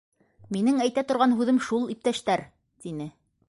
Минең әйтә торған һүҙем шул, иптәштәр, - тине.